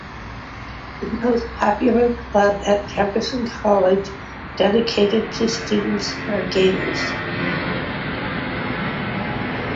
The most popular club at Jefferson College, dedicated to students who are gamers.